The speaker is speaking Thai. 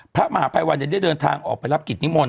พระมหาภัยวันได้เดินทางออกไปรับกิจนิมนต